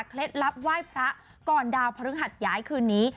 ลับไหว้พระก่อนดาวพฤหัสย้ายคืนนี้